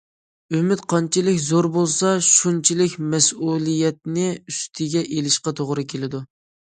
ئۈمىد قانچىلىك زور بولسا، شۇنچىلىك مەسئۇلىيەتنى ئۈستىگە ئېلىشقا توغرا كېلىدۇ.